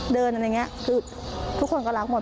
อะไรอย่างนี้คือทุกคนก็รักหมด